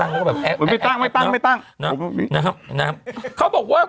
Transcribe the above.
เนี่ยน่ะนะครับเขาบอกว่า